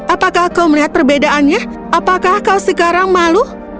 apakah kau melihat perbedaannya apakah kau sekarang malu